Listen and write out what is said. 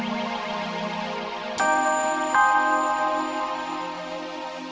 milu aku lebih banyak